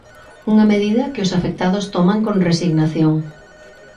Unha medida que os afectados toman con resignación.